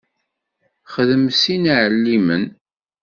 Xdem sin iɛellimen.